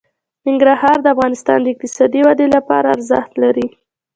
ننګرهار د افغانستان د اقتصادي ودې لپاره ارزښت لري.